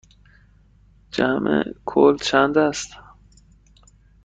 جمع کل چند است؟